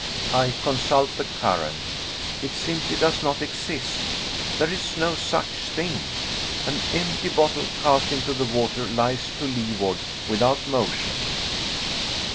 I consult the current. It simply does not exist: there is no such thing. An empty bottle cast into the water lies to leeward without motion.